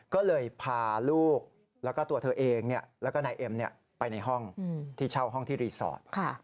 ก็เลยพาลูกแล้วก็ตัวเธอเองแล้วก็นายเอ็มไปในห้องที่เช่าห้องที่รีสอร์ท